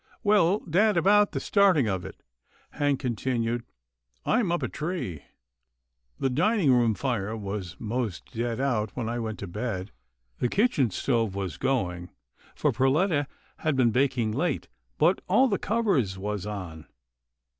" Well, dad, about the starting of it," Hank con tinued. " I'm up a tree. The dining room fire was most dead out when I went to bed. The kitchen stove was going, for Perletta had been baking late, but all the covers was on.